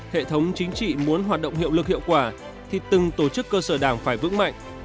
hệ thống chính trị muốn hoạt động hiệu lực hiệu quả thì từng tổ chức cơ sở đảng phải vững mạnh